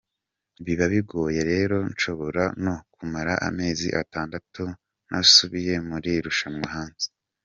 Biba bigoye rero nshobora no kumara amezi atandatu ntasubiye mu irushanwa hanze.